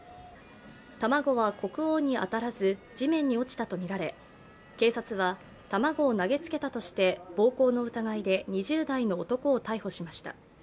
卵は国王に当たらず地面に落ちたとみられ警察は、卵を投げつけたとして暴行の疑いで２０代の男を逮捕しました。